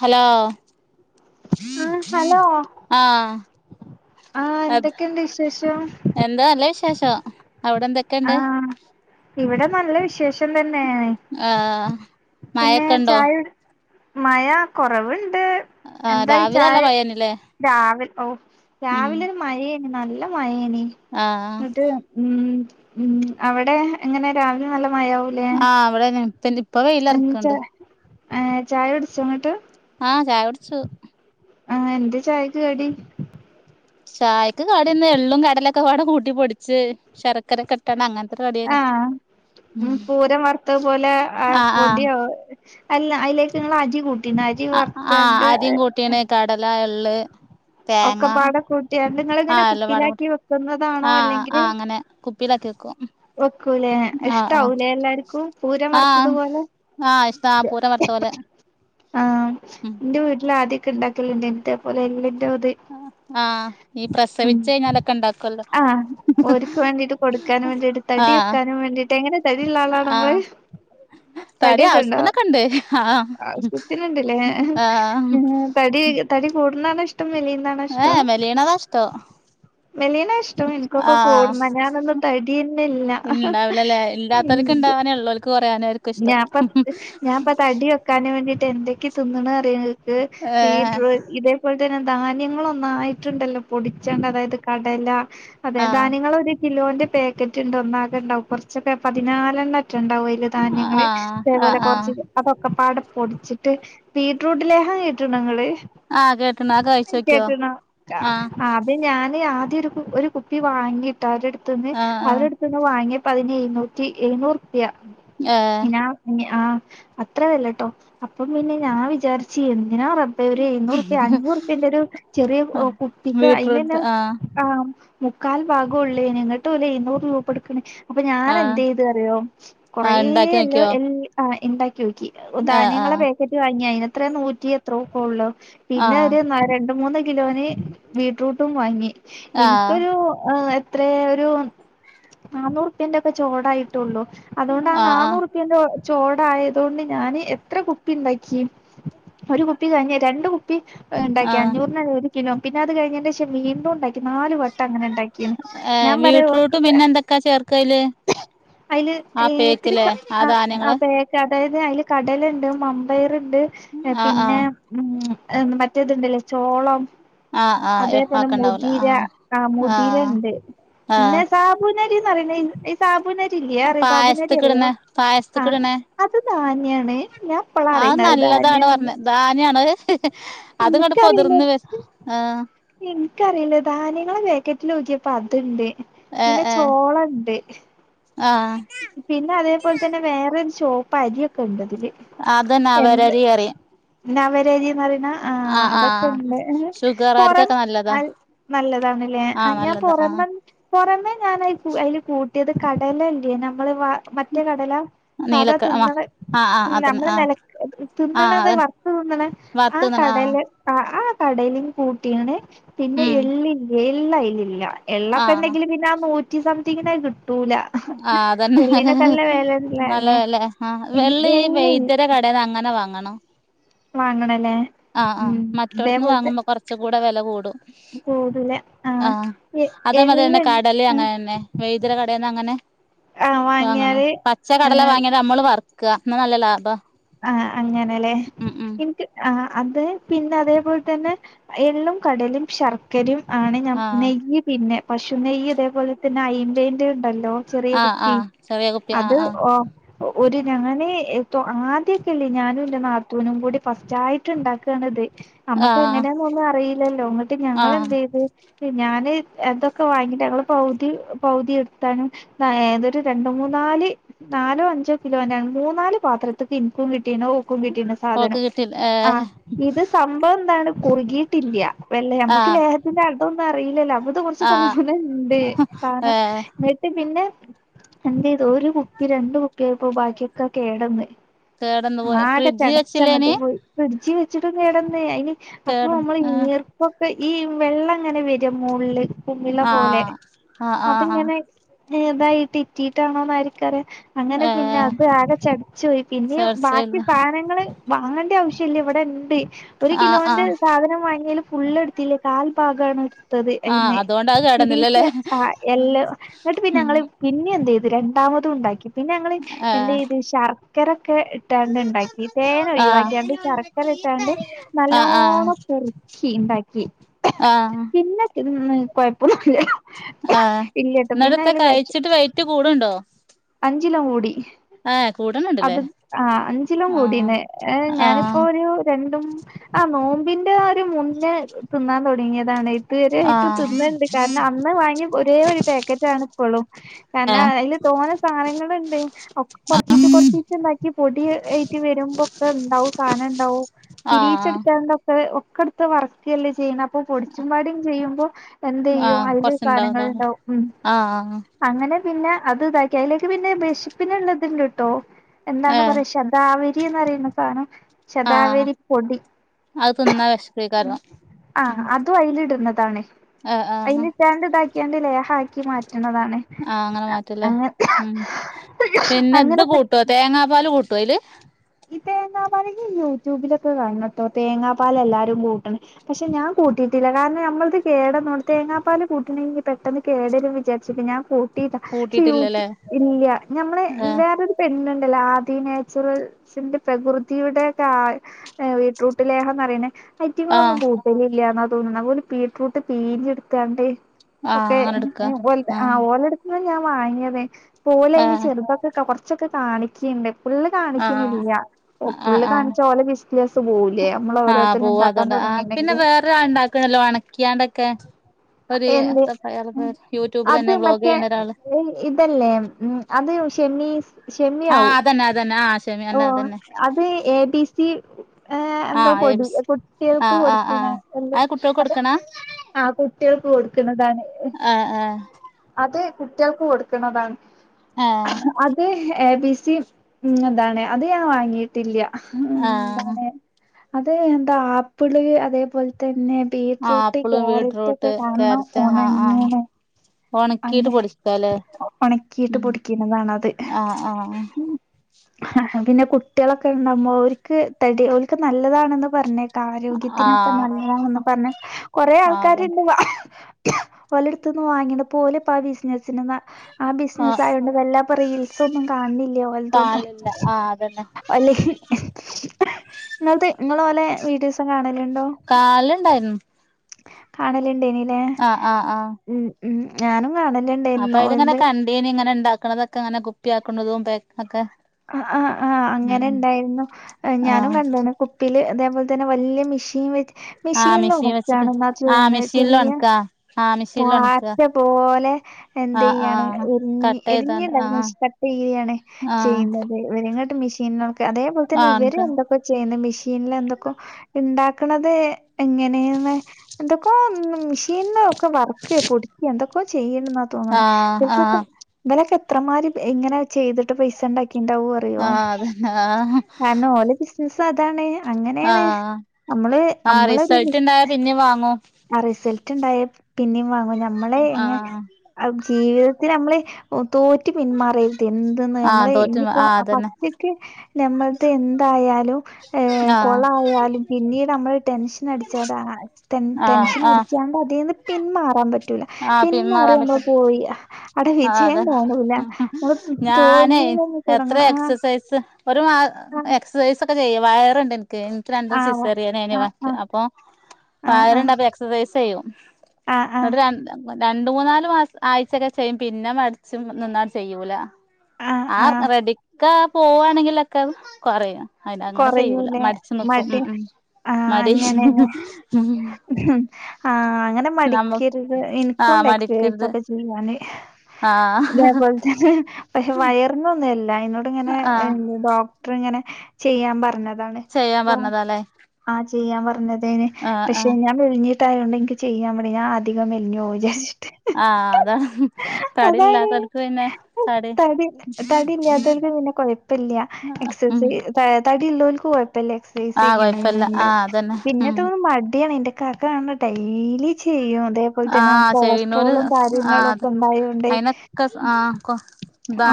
Hello ആഹ് hello ആഹ് ആഹ് അത് എന്തെക്കെണ്ട് വിശേഷം എന്താ നല്ല വിശേഷം അവിടെ എന്തെക്കെണ്ട് അഹ് ഇവിടെ നല്ല വിശേഷം റ്റം തന്നേണ് ആഹ് പിന്നേ മഴൊക്കെ ഉണ്ടോ ചായുട് മഴ കൊറവ്ണ്ട് ആഹ് എന്തായി രാവിലെ ചായ നല്ല മഴേനില്ലേ രാവി ഓ ഉം രാവിലെ ഒരു മഴേനി നല്ല മഴേനി ആഹ് ന്നട്ട് ഉം ഉം അവിടെ എങ്ങനെ രാവിലെ നല്ല മഴാവും ആഹ് ഇവ്ടെങ്ങനെ [unintelligible] തല്ലി എന്നിട്ട് ഏ ചായ കുടിച്ചോ ന്നിട്ട് ആഹ് ചായുട്ച്ചു ആഹ് എന്താ ചായക്ക് കടി ചായ്ക്ക് കടിന്നെ എള്ളും കടലൊക്കെ പാടെ കൂട്ടി പൊടിച്ച് ശർക്കരൊക്കെ ഇ ട്ടാണ് അങ്ങൻത്തൊര് ക ആഹ് ഉം പൂരം വറുത്തത് പോലെ ആ ആഹ് ആഹ് പൊടിയോ അല്ല അയ്ലേക്ക്ങ്ങള് അരി കൂട്ടീണ് അരി വർത്താണ്ട് ട്ട്യേനെ കടല, എള്ള് തേങ്ങ ഒക്കപ്പാടെ കൂട്ടിയാണ്ട് നിങ്ങളിങ്ങനെ ആഹ് എല്ലം പാടെ കുപ്പിയിലാക്കി കൂട്ട് വെക്കുന്നതാണോ ആഹ് അല്ലെങ്കില് ആഹ് അങ്ങനെ കുപ്പിലാക്കി വെക്കും വെക്കൂലേ ആഹ് ആഹ് ഇഷ്ടാവുലെ എല്ലാർക്കും പൂരം വറുത്തതുപോലെ ആഹ് ഇഷ്ടാ ആഹ് പൂര വർത്ത പോലെ ആഹ് ഉം ഇന്റെ വീട്ടില് ആദ്യൊക്കെ ഇണ്ടാക്കല്ണ്ടേന്ന് ഇതേ പോലെ എള്ള്ന്റെ ഇത് ആ ഈ ഉം പ്രസവിച്ച് കഴിഞ്ഞാലൊക്കെ ഉണ്ടാക്കുവല്ലോ ആഹ് ഓര്ക്ക് വേണ്ടിട്ട് കൊടുക്കാനും വേണ്ടിട്ട് ആ തടി വെക്കാനും വേണ്ടിട്ട് എങ്ങനെ തടിള്ള ആളാണോ ആ ങ്ങള് തടി ആവശ്യത്തിനൊക്കെ ഇണ്ട് ആഹ് ആവശ്യത്തിനുണ്ടല്ലേ ആഹ് തടി തടി കൂടുന്നതാണ ഇഷ്ടം മെലിയ ആഹ് മെലീണദാ ഇഷ്ടം മെലീന ഇഷ്ടം എനിക്കൊക്കെ ആ കൂടുന്നതാ ഞാനൊന്നും തടിതന്നില്ല ഇണ്ടാവില്ലല്ലേ ഇല്ലാത്തവർക്ക് ഇണ്ടാവാനേ ഉള്ളൂ ഓൽക്ക് കുറയാനായിരിക്കും ഇഷ്ടം ഞാപ്പ ഞാൻപ്പ തടിയൊക്കെ ക്കാൻ വേണ്ടീട്ട് എന്തൊക്കെ തിന്നണ അറിയോക്ക് ഏ വീറ്റ് ഇത അതുപോലെ തന്നെ ധാന്യങ്ങള് ഒന്നായിട്ടുണ്ടല്ലോ പൊടിച്ചാണ്ട് അതായത് കടല അതെ ആ ധാന്യങ്ങൾ ഒരു കിലോന്റെ പാക്കറ്റ് ഉണ്ട് ഒന്നാകെ ഉണ്ടാവും കുറച്ചൊക്കെ പതിനാലെണ്ണാ മറ്റോ ഉണ്ടാവും ആ ധാന്യങ്ങള് ആ അതേപോലെ ആ കൊറച്ച് അതൊക്കെ പാടെ പൊടിച്ചിട്ട് ബീറ്റ്റൂട്ടിലേഹാ കീട്ടു നിങ്ങള് ആഹ് കേക്കുന്ന് അതൊക്കെ കഴച്ചോക്കിയോ ആഹ അ ഞാനെ ആദ്യം ഒരു ഒരു കുപ്പി വാങ്ങിട്ട് അവര അടുത്ത് നിന്ന് ആ ആ അവരുടുത്ത് വാങ്ങിയപ്പോ അതിന് എഴുന്നൂറ്റി എഴുന്നൂറ്പ്യ ഏ പിന്ന അ ആ അത്ര ഇതല്ലട്ടോ അപ്പം പിന്നെ ഞാൻ വിചാരിച്ച് എന്തിനാ റ പ്പൊ ഒരു എണ്ണൂറുപ്യ അഞ്ഞൂറുപ്യേന്റെ ഒരു ചെറിയ കുപ്പിക്ക് ബീറ്റ്റൂട്ട് അന്ന്നെ ആ ആഹ് മുക്കാൽ ഭാഗംള്ളേ നിങ്ങട്ടുംല്ലെ ഇുന്നൂറ് രൂപ എടുക്കണേ അപ്പൊ ഞാൻ ആ എന്ത് ചെയ്ത് അറിയോ ആ കൊറെ ഉണ്ടാക്കി എല്ലാം നോക്കിയോ എ ഉണ്ടാക്കി നോക്കി ആ ആ ധാന്യങ്ങളെ പേക്കറ്റ് വാങ്ങിയ അതിനെത്രാ നൂറ്റി എത്രക്കെ ഉള്ളു പിന്നെ ആഹ് ഒരു രണ്ട് മൂന്ന് കിലോന് ബീട്റൂട്ടും വാങ്ങി ആഹ് എനിക്കൊരു ആഹ് അത്രേ ഒരു നന്നൂറപ്പ്യന്റെ ഒക്കെ ചോടായിട്ടുള്ളൂ അതുകൊണ്ട് ആ ആഹ് ആഹ് നന്നൂറ് എനിക്കെന്തോ ചോടായതൊണ്ട് ഞാന് എത്ര കുപ്പി ഉണ്ടാക്കി ഒരു കുപ്പി കഴിഞ്ഞ് രണ്ട് കുപ്പി ഉണ്ടാക്കി ആഹ് അഞ്ഞൂറിനാ പിന്ന അത് കഴിഞ്ഞേന് ശേഷം വീണ്ടും ഉണ്ടാക്കി നാല് വട്ടം അങ്ങനെ ഉണ്ടാക്കിന്ന് ഏഹ് ഞാൻ പറയാ ബീട്രൂട്ട് ഓര്ക്കൊക്ക പിന്നെ എന്തൊക്കാ ചേർക്കയില് അയില് ആ ഇത്തിരി പേക്കിലെ ആ ധാന്യങ്ങള് അതായത് അതിൽ കടലുണ്ട് മമ്പയറ്ണ്ട് ആഹ് പിന്നെ ആഹ് ഉം മറ്റേതുണ്ടല്ലേ ചോളം ആഹ് ആഹ് അതേപോലെ ആക്കണ്ടാവൂല മുതിര ആഹ് ആഹ് മുതിര ആഹ് ഉണ്ട് പിന്നെ ആഹ് സാബുനരിന്ന്റ ഈ സാബുനരി ഇല്ല അറിയോ സാബുനരി പായസത്ത്ക്ക് അറിയോ ഇട്ണെ പായസത്ത്ക്ക് ആഹ് അത് ധാന്യാണ് ഞാൻ ഇപ്പളാ ആഹ് അറിയ്ണത് അത് നല്ലതാണ് ധാന്യാണെന്ന് പറഞ്ഞ് ധാന്യണോ അതു കൊണ്ട് പൊതിർന്ന് വരും ആഹ് എനിക്കറിയില്ല ധാന്യങ്ങള് പാക്കറ്റിൽ നോക്കിയപ്പ അതുണ്ട് ഏഹ് പിന്നെ ഏഹ് ചോളം ഉണ്ട് ആഹ് പിന്നെ അതേപോലെ തന്നെ വേറൊരു ചോപ്പരി ഒക്കെ ഉണ്ടതില് അതന്ന അവരരി അറിയാം ന്നവര് അരിന്ന് പറയുന്നാ ആ ആഹ് അതൊക്കെ ആഹ് ഇണ്ട് പൊറം ഷുഗർകാർക്കൊക്കെ നല്ലതാ അൽ നല്ലതാണ്ല്ലേ അ ആഹ് ഞാൻ നല്ലതാ ആഹ് പൊർന്നാ പൊറമേ ഞാൻ അയിൽ കൂ അയില് കൂട്ടിയത് കടല ഇല്ലേ നമ്മള് വ മറ്റേ കടല അതാ നീലക്ക ആ തിന്നണെ ആ ആ അതന്നെ നമ്മളെ ആ നെലക്ക് തിന്നണെത് വറുത്ത് തിന്നണേ വർത്തു തിന്നുന്നാ ആഹ് ആ ആ കടയിലിങ്ങ് കൂട്ടിയാണ് പിന്നെ ഉം എള്ളില്ലേ എള്ള് അയില് ഇല്ല ആ എള്ളൊക്കെ ണ്ടെങ്കില് പിന്നാ നൂറ്റി സംതിങ്ങിനേ കിട്ടൂലാ ആഹ് അതെന്നെ വെലള്ളതല്ലേ നല്ലതല്ലേ ആ വെള്ളീ ഈ എള്ള് വൈദ്യരേ കടേന്ന് അങ്ങനെ വാങ്ങണം വാങ്ങണല്ലേ ആഹ്, ആഹ് ഉം മറ്റൊട്ത്തിന്ന് ഇതേപോലത്തെ വാങ്ങുമ്പോ കൊറച്ചു കൂടെ വെല കൂടും കൂടുതല് ആഹ് എ അതേ മതന്നെ എള്ള് കടലയും അങ്ങനെന്നെ വൈദ്യരെ കടേന്ന് അങ്ങനെ ആഹ് വാങ്ങണോ വാങ്ങിയാല് പച്ച കടല വാങ്ങിയത് അമ്മള് വറുക്ക എന്നാ നല്ല ലാഭാ ആഹ് അങ്ങനെ ലേ ഉം ഉം ഇൻക്ക് ആഹ്, അത് പിന്നെ അതേപോൽ തന്നെ എള്ളും കടലയും ശർ ക്കരയും ആണ് ഞം ആ നെയ്യ് പിന്നെ പശു നെയ്യ് ഇതേപോലെ തന്നെ അയിമ്പേന്റേണ്ടല്ലോ ചെറിയ ആ ആ കുപ്പി ചെറിയ കുപ്പി ആ അത് ആ ഓ ഒരു ഞാനീ ഏ തൊ ആ ത്തിക്കെല്ലെ ഞാനും ന്റെ നാത്തൂനും കൂടി ഫസ്റ്റായിട്ട് ണ്ടാക്കാണ് ഇത് ആ ഹമ്മക്ക് എങ്ങനെയാന്നൊന്നും അറിയില്ലല്ലോ ന്നിട്ട് ആ ഞങ്ങൾ എന്തെ യ്ത് ഞാന് അതൊക്കെ വാങ്ങിട്ട് ഞങ്ങള് പൗതി പൗതി എടുത്താനും ഏതൊരു രണ്ടു മൂന്നാല് നാലോ അഞ്ചോ കിലോ ന്റെയോ മൂന്നാല് പാത്രത്ത് ഇതിൻക്കും കിട്ടിയിനും ഓക്കും കിട്ടീന് ഓക്ക് സാധനം കിട്ടില്ല ആഹ് ഏ ഇത് സംഭവെന്താണ് കുറികി ട്ടില്ലാ വെല്ലേ ആ അമ്മക്ക് ലേഹത്തിന്റെ അത് ഒന്നും അറിയില്ലല്ലോ അപ്പൊ ഇത് കൊറച്ച് ആ തോനെണ്ട് ഏ സാനം [unintelligible] ട്ട് പിന്നെ എന്തെയ്തു ഒരു കുപ്പി രണ്ടു കുപ്പിയായപ്പോ ബാക്കിയൊക്കെ കേടൊന്ന് കേടന്ന് പോയ ആകെ ഫ്രിഡ്ജ് ചടച്ചങ്ങട്ട് വെച്ചില്ലേന് പോയി ഫ്രിഡ്ജി വെച്ചിട്ടും കേടുവന്നേ അയിന് അപ്പൊ കേടന്ന് അമ്മള് ഈർ പ്പൊക്കെ ഈ വെള്ളം ഇങ്ങനെ വെരാ മ്മോള്ള് കുമിള ആ പോലെ ആ ആ അത് ആ ആ ഇങ്ങനെ ഏതായി ട്ടിറ്റിയിട്ടാണോന്ന് ആർക്കറിയാ അങ്ങനെ ഏ പിന്നെ അത് ആകെ ചടച്ചോയി പിന്നെയും ബാക്കി സേർച്ചല്ല സാനങ്ങള് വാങ്ങേണ്ടെ ആവശ്യം ഇല്ല ഇവിടെണ്ട് ഒരു ആ ആ കിലോന്റെ സാധനം വാങ്ങിയല് ഫുള്ള് എടുത്തില്ലേ കാൽ ഭാഗാണ് ത്തത് ആ അയിനെ അതുകൊണ്ട് അത് ഇത്തിരീച്ചേ കേടന്നില്ലല്ലേ ആഹ് എല്ലൊ എന്നിട്ട് പിന്നെ ഉം ഞങ്ങള് പിന്നേം എന്തെയ്ത് രണ്ടാമതും ഇണ്ടാക്കി പിന്നെ ഞങ്ങള് ആ എന്തെയ്ത് ശർക്കരൊക്കെ ഇ ട്ടാണ്ട് ഇണ്ടാക്കി തേന് ആ ഒഴിവാക്കിയാണ്ട് ശർക്കര ഇട്ടാണ്ട് ആ ആ നല്ലോണം കുറുക്കി ഇണ്ടാക്കി ആഹ് തിന്ന് കൊഴപ്പം ഒന്നുല്ല്യ ആഹ്, ന്നിട്ടെന്താ കഴിച്ചിട്ട് വെയ്റ്റ് കൂടുണ്ടോ അഞ്ചിലോ കൂടി ആയെ കൂടണ് അത് ആഹ് അഞ്ചിലോം കൂടിന് ഏ ആ ഞാനിപ്പൊ ഒരൂ രണ്ടും ആഹ് നോമ്പിന്റെ ആ ഒരു മുന്നേ തിന്നാൻ തൊടങ്ങിയതാണ് ആ തീരായിട്ടും തിന്ന്ണ്ട് കാരണം അന്ന് വാങ്ങിയ ഒരേ ഒരു പാക്കറ്റാണ് ഇപ്പൊളും ഏ കാരണം അതില് തോനെ സാനങ്ങളുണ്ട് ഒക്ക് കൊറച്ചീച്ചെ കൊറ ച്ചീച്ച് ഇണ്ടാക്കിയ പൊടി യേറ്റ് വരുമ്പോക്കെ ഇണ്ടാവും സാധനംണ്ടാവും ആ ഇത്തീരീച്ച എടുത്ത ഒക്കെടുത്ത് വറുക്കെയല്ലേ ചെയ്യെണേ അപ്പൊ പൊടിച്ചുംമ്പാടി ചെയ്യുമ്പോ ആ അപ്പെന്തെയ്യും അതില് കൊറച്ചുണ്ടാവുംല്ലേ സാനങ്ങള്ണ്ടാവും ഉം ആ അങ്ങനെ പിന്നെ അത് ഇതാക്കി അയിലേക്ക് പിന്നെ വെഷ്പ്പിനുള്ള ഇതുണ്ട് ട്ടോ എന്താണ് ഏ പറയാ ശതാവരിന്ന് പറയുന്ന സാനം ആഹ് ശതാവരി പൊടി അത് തിന്നാ മ്ം വെശക്കേക്കാരം ആഹ് അത് തു അതിലിടുന്നതാണ് ആഹ് ആഹ് അതിലിട്ടാണ്ടിതാക്കിയാണ്ട് ലേഹാക്കി മാറ്റണതാണ് ആഹ് അങ്ങനെ മാറ്റമല്ലേ ഉം. പിന്നെ ഇതു അങ്ങനെപ്പെ കൂട്ടുവോ തേങ്ങാപ്പാല് കൂട്ടുവോ അയില് ഈ തേങ്ങാപാല് യൂട്യൂബിലൊക്കെ കാണുന്നൂട്ടോ, തേങ്ങാ പ്പാലെല്ലാരും കൂട്ടണ് പക്ഷെ ഞാൻകൂട്ടിയിട്ടില്ല. കാരണം നമ്മളതു കേടാകുന്നോണ്ടു തേങ്ങാപ്പാൽ കൂട്ടണെങ്കിൽ പെട്ടെന്ന് കേടുവരും വിചാരിച്ചിട്ട്‌ ഞാൻകൂ കൂട്ടിയില്ല സീ യു കൂട്ടിയിട്ടില്ലല്ലേ ഇല്ല്യ ഞമ്മള് ആഹ് വേറൊരു പെണ്ണുണ്ടല്ലോ ആദിനാച്ചുറൽ സിന്റെ പ്രകൃതിയുടെ കാ വീട്യൂട്ടിലേന്നു പറയണേ ഐറ്റങ്ങളൊന്നും ആഹ് പോകും തരിയില്ലാന്നുതോന്നുന്നേഅതുകൊണ്ട് ബീട്രൂട്ട്പിഴിഞ്ഞെടുക്കാണ്ട് ആഹ് ഒക്കെ അങ്ങനെ എടുക്കാ ഉം ഒൽ ആ ആഹ് ഓൽ ഞാൻവാങ്ങിയതേ പോലെയന്ന് ആഹ് ചെറുപ്പൊക്കെ കൊറച്ചൊക്കെ കാണിക്കുന്നുണ്ട്, ഫുള്ള് കാ ആഹ് കാണിക്കണില്ല, ഓ ആഹ് ആഹ് പ്പുളുകാണിച്ചാ ലോരോവിസിറ്റേഴ്സുപോകൂലേ, ആഹ് നമ്മളോരോരുത്തരും പോവും ഉണ്ടാക്കാൻ അതോണ്ട് ആഹ് തുടങ്ങിയേക്ക് പിന്നെ വേറെയേണ്ടാക്കണല്ലോ ഉണക്കിയണ്ടൊക്കെ എന്ത് [unintelligible] അത് യൂട്യൂബിൽതന്നെ വ്ളോഗു മറ്റേ ചെയ്യുന്നരാള് ഇതല്ലേ ഉം അത് ഷെമീൻ ആഹ് അതന്നെ അതന്നെ ആഹ് ഷമി അന്നെ ഓഹ്‌ അതന്നെ അത് എ. ബി. സി ഏഹ്‌ എന്താ ആഹ് എ പൊടി ബി സി കുട്ടികൾക്കു ആഹ് ആഹ് കൊടുക്കണേ ആഹ് എന്തോ കുട്ട്യോൾക്ക് അത് കൊടുക്കണാ ആഹ് കുട്ടികൾക്കുകൊടുക്കുന്നതാണ് ആഹ് ആഹ് അത് കുട്ടികൾക്കു കൊടുക്കുന്നതാണ് ആഹ് അത് എ. ബി. സി യും ഇതാണതുഞാൻ വാങ്ങിയിട്ടില്ല ഉം ആഹ് എന്താണ് അത് എന്താ ആപ്പിള് അതേപോലെ തന്നെ ബീട്രൂട്ട്, ആപ്പിള് കാരറ്റ് ഒക്കെ ബീട്രൂട്ട് കാണണം ക്യാരറ്റ് ആ ആ ഉണങ്ങണേ ഒണക്കീട്ട് അങ്ങനെ പൊടിക്കാല്ലേ ഉണക്കിയിട്ട് ഉം പൊടിക്കുന്നതാണത് ആഹ് ആഹ് ഉം.. ആഹ്.. പിന്നെ കുട്ടികളൊക്കെയുണ്ടാകുമ്പോ അവർക്കു തടി അവൾക്കുനല്ലതാണെന്നുപറഞ്ഞേ ആരോഗ്യത്തിനൊക്കെ ആഹ് നല്ലതാണെന്നുപറഞ്ഞ്കൊറേ ആ അത ആൾക്കാരുണ്ട് വ.. ഓലടുത്തൂന്ന് വാങ്ങിയണപോലെ യിപ്പൊയാ ബിസിനസ്സിനു വേ ആഹ്‌ ആ ബിസിനസായതു കൊണ്ട് വല്ലാപ്പ റീസൊന്നും കാണുന്നില്ലയോലത്തൂന്ന്‌ കാലില്ല ആ അതന്നെ അല്ലെ നിങ്ങൾക്ക് വല്യപ്പ നിങ്ങളെ ഓലെ വീഡിയോസ് കാലുണ്ടായിരുന്നു കാണലുണ്ടേതില് ആഹ് ആഹ് ആഹ് ഉം ഉം ഞാനുംകാണലുണ്ട് അപ്പൊ അതിലിങ്ങനെ കണ്ടീനിയിങ്ങനെ ഉണ്ടാക്കണതൊക്കെ യിങ്ങനെ കുപ്പിയ ആക്കുണതും പായ്ക്കിംഗ് ഒക്കെ ആഹ്‌ ആഹ് ഉം ഉം അങ്ങനെയുണ്ടായിരുന്നു. ഞാനും ആഹ് കണ്ടാണ് കുപ്പി കുപ്പീല് അതേപോലെതന്നെ വലിയ മെഷീൻ വെച്ച് ആ മിഷീൻ വെച്ചിട്ട് മെഷീനിലുംകുക്കറിലാണ് എന്നാ ആ ചെയ്യുന്നത് മിഷീനിൽ ചെറിയ ഒണക്കാ ആ മിഷീനിൽ ഒണക്കാ പാറ്റ പോലെ എന്തു ആഹ് ചെയ്യാണ് ആഹ് എരഞ്ഞി, കട്ട് ചെയ്താണ്ട് എരിഞ്ഞേണ്ട ആഹ് സ്പ്പട്ടെയാണ് ആഹ് ചെയ്യുന്നത് ഇരങ്ങോട്ട് മെഷീനുകൾക്ക് അതേപോലെ ആ തന്നെ ഒണക്ക ഇവരെന്തൊക്കെ ചെയ്യുന്നുമെഷീനിൽ എന്തൊക്കോ ഉണ്ടാക്കണതെങ്ങനെയന്ന് എന്തൊക്കോയൊന്നും മിഷ് വർക്കുവോ, പൊടിക്കുവോഎന്തൊക്കെയോ ചെയ്യണ്ടെന്നാ തോന്നണേ ആഹ് ഇപ്പപ്പം ആഹ് ഇവരൊക്കെ എത്രമാതിരിയിങ്ങനെ ചെയ്തിട്ടുപൈസാ ഉണ്ടാക്കിയിട്ടുണ്ടാവുക അറിയോ, ആഹ് അതന്നെ ആഹ് കാരണം ഓല ബിസിനസതാണ് അങ്ങനെയാണ് ആഹ് നമ്മളെ ആഹ് നമ്മളത് ബി റിസൾട്ട് ഇണ്ടായ പിന്നിം വാങ്ങും ആ റിസൾട്ടുണ്ടായ പിന്നെയും വാങ്ങും. ഞമ്മളെ എങ്ങനെ ആഹ് ജീവിതത്തിൽ നമ്മളെ തോറ്റുപിന്മാറരുത് എന്തെന്ന് ആഹ് നമ്മള് തോറ്റും ഇതിപ്പോ ആഹ് അതന്നെ പച്ചക്ക് നമ്മൾതേ എന്തായാലും ഏഹ് ആഹ് കൊളായാലും പിന്നീടുനമ്മൾ ടെൻഷനടിച്ചവരാ ടെൻ ആഹ് ആഹ് ടെൻഷനടിച്ചാണ്ടതീ ന്ന് പിന്മാറാൻ പ റ്റൂല്ല. ആഹ് പിന്നെ മാറി പിന്മാറാൻ നമ്മള് പറ്റും പോയി അടെ ആഹ് വിജയം അതന്നെ കാണൂല്ല. നമ്മള് തോൽവിയലങ്ങ് എത്രേ എക്സസൈസ് ഒരു മാ എക്സസൈസ് ഒക്കെ ചെയ്യൊ വയറ്ണ്ട് ഇൻ കെയ്‌ന്ട്ട് രണ്ടും ആഹ് സിസേറിയനേനി. ആഹ് ആഹ് അപ്പം ആഹ് ആഹ് വയറ്ണ്ട് അപ്പം എക്സസൈസെയ്യും. ആഹ് ഇന്നട്ട് ആഹ് രണ്ട് രണ്ട് മൂന്നാല് മാസം ആയ്ച്ചൊക്കെ ചെയ്യും പിന്നെ മട്ച്ചും നിന്നാ ചെയ്യൂല. ആഹ് റെഡിക്കാ പോവാണെങ്കിലൊക്കെ കൊറയും. അയിനങ്ങനെ ചെയ്യൂല കൊറയൂലേ മടിച്ച് നിക്കും ഉം മടി ഉം മടി ഉം ആഹ് അങ്ങനെ നമ്മ മടിക്കരുത് ആഹ് ഇൻക്കുണ്ട് എക്സസൈസ് മടിക്കരുത് ഒക്കെ ചെയ്യാന് ആഹ് ഇതേപോലെ തന്നെ പക്ഷെ വയറിന്നൊന്നല്ല എന്നോട് ഇങ്ങനെ ആഹ് ഡോക് ടർ ഇങ്ങനെ ചെയ്യാൻ പറഞ്ഞതാണ് ചെയ്യാൻ അപ്പം പറഞ്ഞതാല്ലേ ആഹ് ചെയ്യാൻ പറഞ്ഞ തേനി. ആഹ് പക്ഷെ ആഹ് ഞാൻ മേലിഞ്ഞിട്ടായൊണ്ട് ഇൻക്ക് ചെയ്യാൻ മടി ഞാൻ അധികം മെൽഞ്ഞോവും വിചാരിച്ചിട്ട്. ആഹ് അതാ അതാണ് തടില്ലാത്തോൽക്ക് പിന്നെ തടി തടി തടി ഇല്ല്യാത്തോൽക്ക് പിന്നെ കുഴപ്പല്ല്യ. ഉം എക്സസൈ ത തടിള്ളോൽക്ക് കുഴപ്പല്ല എക്സസൈസ് ആഹ് കൊഴപ്പല്ല ചെയ്യണേന്ണ്ട്. ആഹ് അതന്നെ പിന്നെ ഉം ത്ത് മട്യാണ് ഇന്റെ കാക്ക ആണ ഡേയ്ലി ചെയ്യും അതേ ആഹ് ചെയ്യ്ണോല് ആഹ് അത് ഒക്കെ ഉണ്ടായോണ്ട് അയിനൊക്കെ സ ആഹ് കൊ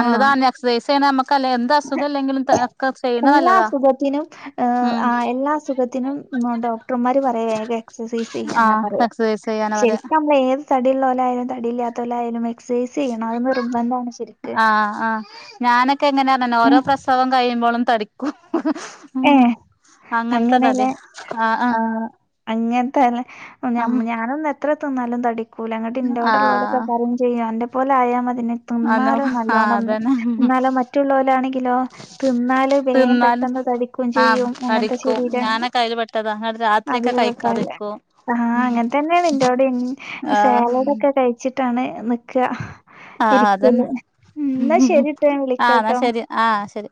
ആഹ് എക്സസൈസെയ്യ്ണ ഞമ്മ ക്കല്ലേ എന്ത് അസുഖം ഇല്ലെങ്കിലും ഒക്കെ ചെയ്യ്ണ എല്ലാ നല്ലതാ അസുഖത്തിനും ഏഹ് ഉം. ആഹ് എല്ലാ അസുഖത്തിനും ഉം ആഹ് ഡോക്ടർമാര് പറയാ വേഗ എക്സസൈസ് ചെയ്യാനാ ആഹ് പറയാ. എക്സസൈസ് ചെയ്യാനാ ശരി പറയാ ക്കമ്മളേത് തടിള്ളോലായാലും തടിയില്ലാത്തോലായാലും എക്സസൈസ് ചെയ്യണം അത് നിർബന്ധാണ് ശെരിക്ക്. അആഹ്. ഞാനൊക്കെ എങ്ങനാർനര്‌നോ ഓരോ പ്രസവം കഴിയുമ്പോളും തടിക്കും. ഉം ഏഹ് അങ്ങൻത്തെ അങ്ങനെ ലെ. തടിയാ ആഹ് അങ്ങൻത്തല്ലെ. ഞം ആഹ് ഞാനൊന്ന് എ ത്ര തിന്നാലും തടിക്കൂല. ഇങ്ങട്ട് ആഹ് ഇന്റോടെ ഉള്ളോലൊക്കെ പറയിം ചെയ്യും അന്റെ പോലെ ആയാ മതെനി. ആഹ് അന്നോ തിന്നാലോ ആഹ് നല്ലോണംന്ന്. അതന്നെ ഇന്നാലോ മറ്റുള്ളോല് ആണെങ്കിലോ തിന്നാല് വേം തിന്നാലും പെട്ടെന്ന് തടി ക്കും ആഹ് ചെയ്യും അങ്ങൻത്തെ തടിക്കും ശരീരാണ്. ഞാനൊക്കെ അയ്ല് പെട്ടതാ ന്നട്ട് രാത്രിയൊക്കെ അതില് പെട്ടാല്ലേ. കഴിക്കാതിരിക്കും ആഹ് അങ്ങൻ തെന്നേണ് ഇന്റോടിം. ആഹ് സേലഡൊക്കെ കഴിച്ചിട്ടാണ് നിക്ക. ആഹ് ഇരിക്കല് അതന്നെ ഉം ന്നാ ശരിട്ടോ ഞാൻ ആഹ് ന്നാ വിളിക്കട്ടോ. ശരി ആഹ് ശരി